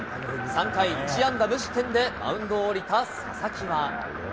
３回１安打無失点でマウンドを降りた佐々木は。